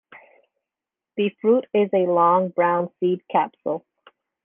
The fruit is a long brown seed capsule.